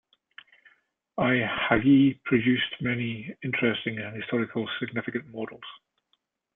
Ihagee produced many interesting and historically significant models.